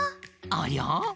ありゃ？